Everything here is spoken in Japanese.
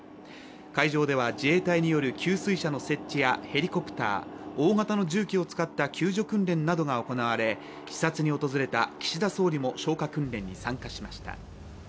会場では、自衛隊による給水車の設置やヘリコプター、大型の重機を使った救助訓練などが行われ、視察に訪れた岸田総理も消火訓練に参加しました。